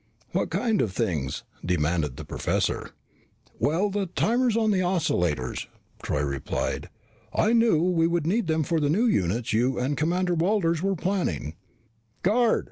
"What kind of things?" demanded the professor. "Well, the timers on the oscillators," Troy replied. "I knew we would need them for the new units you and Commander Walters were planning." "Guard!"